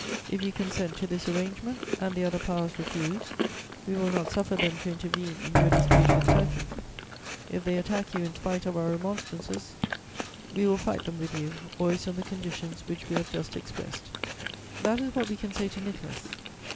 If you consent to this arrangement and the other Powers refuse, we will not suffer them to intervene in your dispute with Turkey. If they attack you in spite of our remonstrances, we will fight them with you, always on the conditions which we have just expressed.' [Sidenote: On Eastern affairs.] "That is what we can say to Nicholas.